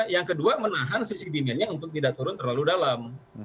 yang kedua menahan sisi demandnya untuk tidak turun terlalu dalam